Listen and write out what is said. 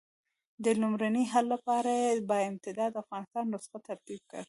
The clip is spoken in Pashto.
د لومړني حل لپاره یې د با اعتماده افغانستان نسخه ترتیب کړه.